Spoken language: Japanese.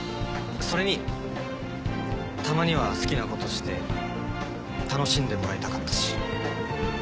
それにたまには好きなことして楽しんでもらいたかったし。